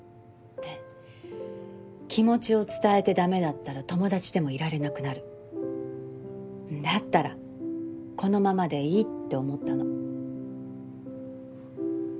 気持ちを伝えてダメだったら友達でもいられなくなるだったらこのままでいいって思ったの。